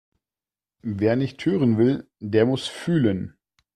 Wer nicht hören will, der muss fühlen.